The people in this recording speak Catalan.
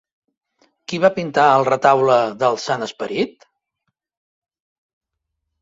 Qui va pintar el Retaule del Sant Esperit?